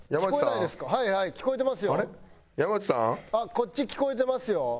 こっち聞こえてますよ。